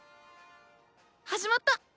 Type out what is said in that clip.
始まった！